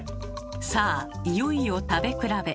さあいよいよ食べ比べ。